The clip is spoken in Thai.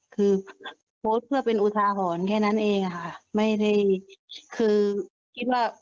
คือโพสต์เพื่อเป็นอุทาหรณ์แค่นั้นเองอะค่ะไม่ได้คือคิดว่า